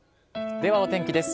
ではお天気です。